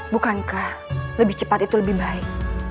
bukankah lebih cepat itu lebih baik